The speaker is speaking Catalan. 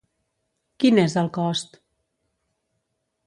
Quin és el cost?